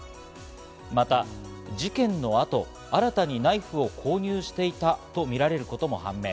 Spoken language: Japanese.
また事件の後、新たにナイフを購入していたとみられることも判明。